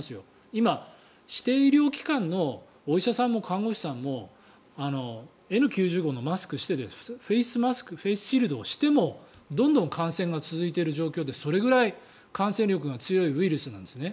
今、指定医療機関のお医者さんも看護師さんもＮ９５のマスクをしてフェイスシールドをしてもどんどん感染が続いている状況でそれぐらい感染力が強いウイルスなんですね。